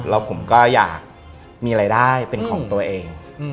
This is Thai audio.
แล้วผมก็อยากมีรายได้เป็นของตัวเอง